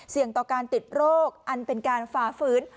ต่อการติดโรคอันเป็นการฝ่าฝืน